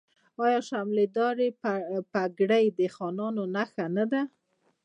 آیا شملې دارې پګړۍ د خانانو نښه نه ده؟